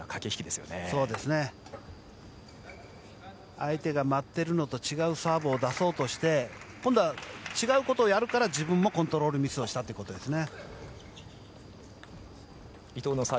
相手が待っているのと違うサーブを出そうとして今度は違うことをやるから自分もコントロールミスをしたということですね。